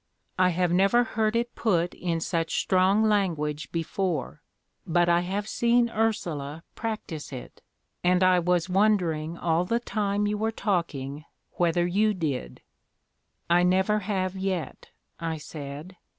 "I have never heard it put in such strong language before, but I have seen Ursula practise it, and I was wondering all the time you were talking whether you did." "I never have yet," I said.